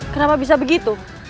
kenapa bisa begitu